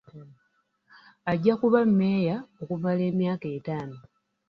Ajja kuba mmeeya okumala emyaka etaano.